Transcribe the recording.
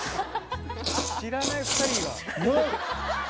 知らない２人が。